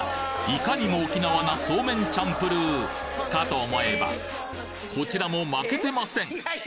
いかにも沖縄なソーメンチャンプルーかと思えばこちらも負けてません！